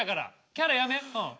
キャラやめうん。